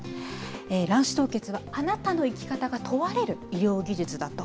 卵子凍結はあなたの生き方が問われる医療技術だと。